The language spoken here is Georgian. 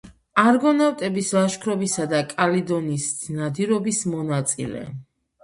არგონავტების ლაშქრობისა და კალიდონის ნადირობის მონაწილე.